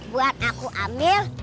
buat aku ambil